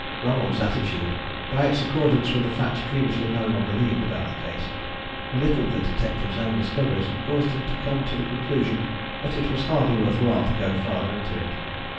Ronald's attitude, by its accordance with the facts previously known or believed about the case, belittled the detective's own discoveries, and caused him to come to the conclusion that it was hardly worth while to go farther into it.